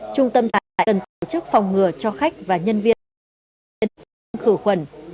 trung tâm tại cần tổ chức phòng ngừa cho khách và nhân viên